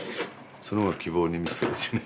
その方が希望に満ちてるしね。